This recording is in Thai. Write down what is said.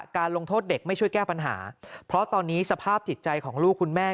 การลงโทษเด็กไม่ช่วยแก้ปัญหาเพราะตอนนี้สภาพจิตใจของลูกคุณแม่